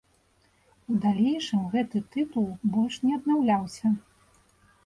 У далейшым гэты тытул больш не аднаўляўся.